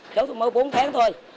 cháu tôi mới bốn tháng thôi